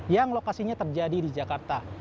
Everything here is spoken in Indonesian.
yang lokasinya terjadi di jakarta